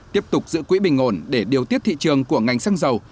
tiếp tục giữ quỹ bình ổn để điều tiết thị trường của ngành xăng dầu